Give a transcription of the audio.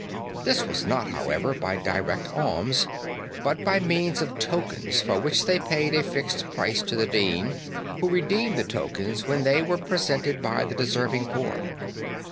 This was not, however, by direct alms, but by means of tokens for which they paid a fixed price to the Dean, who redeemed the tokens when they were presented by the deserving poor.